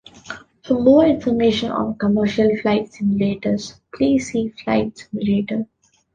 For more information on commercial flight simulators please see Flight Simulator.